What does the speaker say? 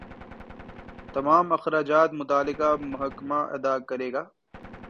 تمام اخراجات متعلقہ محکمہ ادا کرے گا۔